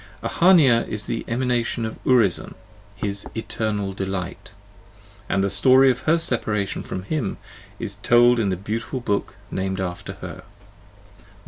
Ahania is the Emanation of Urizen, his " eternal delight," and the story of her separation from him is told in the beautiful book named after her.